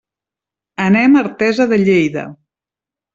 Anem a Artesa de Lleida.